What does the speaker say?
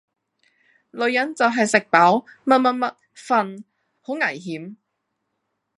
女人就系食飽、乜乜乜、瞓!好危險!